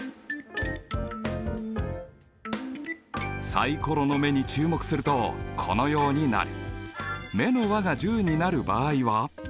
サイコロの目に注目するとこのようになる。